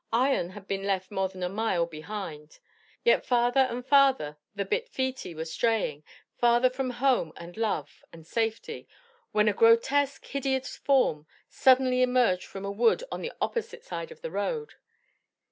Ion had been left more than a mile behind, yet farther and farther the bit feetie were straying, farther from home and love, and safety, when a grotesque, hideous form suddenly emerged from a wood on the opposite side of the road.